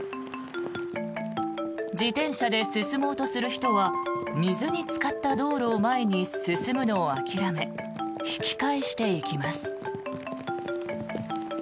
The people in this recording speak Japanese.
自転車で進もうとする人は水につかった道路を前に進むのを諦め引き返していきます。